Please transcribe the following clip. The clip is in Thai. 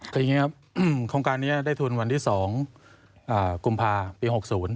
คืออย่างนี้ครับโครงการนี้ได้ทุนวันที่๒กุมภาปี๖๐